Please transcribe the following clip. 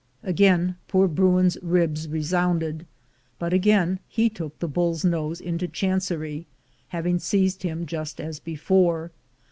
Again poor bruin's ribs resounded, but again he took the bull's nose into chancery, having seized him just as before.